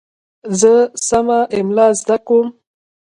زه سمه املا زده کوم.